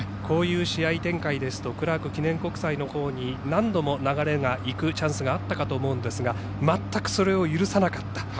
こういう試合展開ですとクラーク記念国際のほうに何度も流れがいくチャンスがあったかと思いますが全くそれを許さなかった。